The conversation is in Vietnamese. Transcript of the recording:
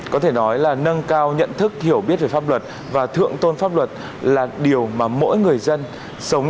có thể nói là nâng cao nhận thức hiểu biết về pháp luật và thượng tôn pháp luật là điều mà mỗi người dân